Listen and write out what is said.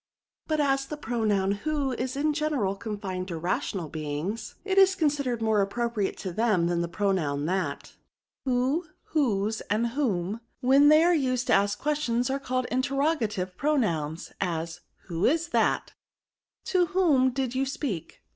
But as the pronoun who is in general confined to rational beings, it i» considered more appropriate to them than the pronoun that. Who, whose, and whom, when they are used to ask questions, are cal* led interrogative pronouns ; as. Who is that ? To whom did you speak